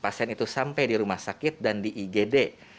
pasien itu sampai di rumah sakit dan di igd